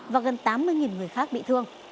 và gần tám mươi người khác bị thương